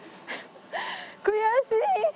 悔しい！